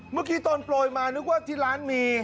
เมื่อกี้ตอนโปรยมานึกว่าที่ร้านมี